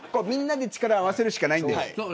みんなで力を合わせるしかないんだよ。